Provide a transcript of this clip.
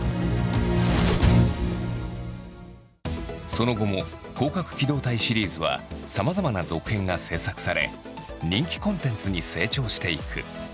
その後も「攻殻機動隊」シリーズはさまざまな続編が制作され人気コンテンツに成長していく。